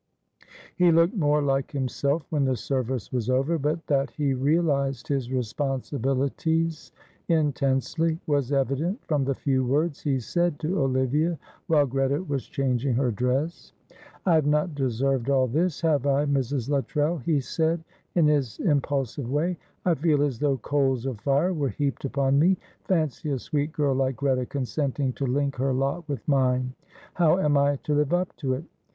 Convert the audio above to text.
He looked more like himself when the service was over, but that he realised his responsibilities intensely was evident from the few words he said to Olivia while Greta was changing her dress. "I have not deserved all this, have I, Mrs. Luttrell?" he said, in his impulsive way. "I feel as though coals of fire were heaped upon me. Fancy a sweet girl like Greta consenting to link her lot with mine. How am I to live up to it?